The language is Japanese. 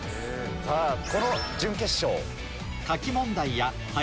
さぁこの準決勝。